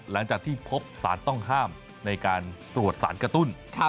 หลังจากที่พบสารต้องห้ามในการตรวจสารกระตุ้น